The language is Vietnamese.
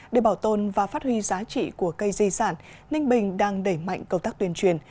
để bảo tồn và phát huy giá trị của cây di sản ninh bình đang đẩy mạnh công tác tuyên truyền